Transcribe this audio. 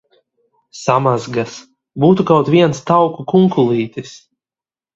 Samazgas! Būtu kaut viens tauku kunkulītis!